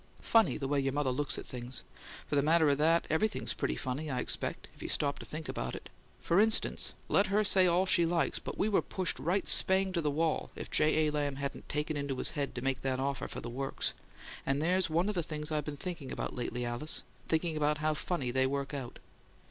"Funny the way your mother looks at things! For the matter o' that, everything's pretty funny, I expect, if you stop to think about it. For instance, let her say all she likes, but we were pushed right spang to the wall, if J. A. Lamb hadn't taken it into his head to make that offer for the works; and there's one of the things I been thinking about lately, Alice: thinking about how funny they work out."